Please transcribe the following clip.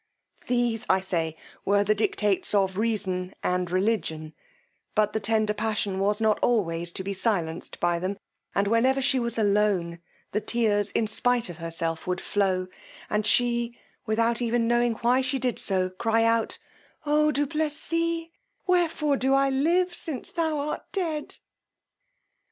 These, I say, were the dictates of reason and religion; but the tender passion was not always to be silenced by them, and whenever she was alone, the tears, in spight of herself, would flow, and she, without even knowing she did so, cry out, Oh du Plessis, wherefore do I live since thou art dead!